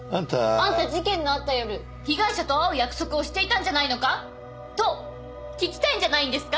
「あんた事件のあった夜被害者と会う約束をしていたんじゃないのか？」と聞きたいんじゃないんですか？